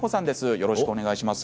よろしくお願いします。